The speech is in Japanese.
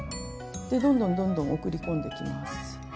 でどんどんどんどん送り込んでいきます。